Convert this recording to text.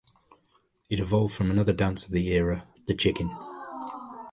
It evolved from another dance of the era, the Chicken.